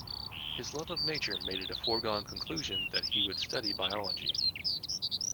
His love of nature made it a foregone conclusion that he would study biology